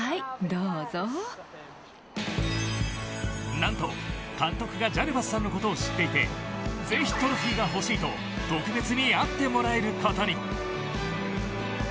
何と、監督がジャルバスさんの事を知っていてぜひトロフィーが欲しいと特別に会ってもらえることに。